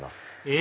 え！